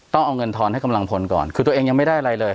ต้องเอาเงินทอนให้กำลังพลก่อนคือตัวเองยังไม่ได้อะไรเลย